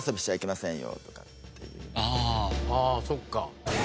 ああそっか。